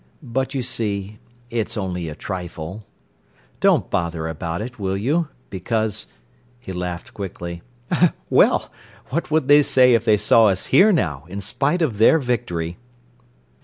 "But, you see, it's only a trifle. Don't bother about it, will you—because"—he laughed quickly—"well, what would they say if they saw us here now, in spite of their victory?"